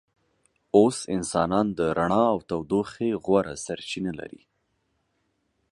اوس انسانان د رڼا او تودوخې غوره سرچینه لري.